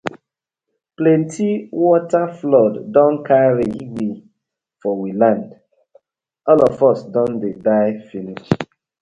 Plenti wata flood don karry we for we land, all of us don dey die finish.